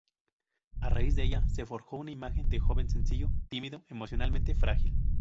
A raíz de ella se forjó una imagen de joven sencillo, tímido, emocionalmente frágil.